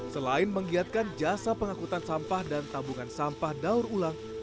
selain menggiatkan jasa pengangkutan sampah dan tabungan sampah daur ulang